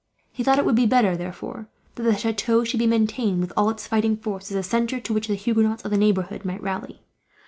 He thought it would be better, therefore, that the chateau should be maintained, with all its fighting force, as a centre to which the Huguenots of the neighbourhood might rally.